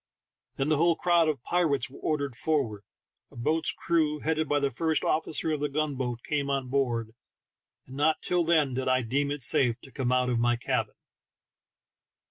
Then the whole crowd of pirates were ordered forward, a boat's crew, headed by the first officer of the gun boat, came on board, and not till then did I deem it safe to come out of my cabin.